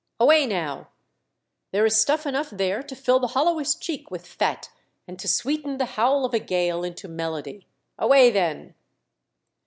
Away, now ! There is stuff enouofh there to fill the hollowest cheek with fat and to sweeten the howl of a gale into melody. Away, then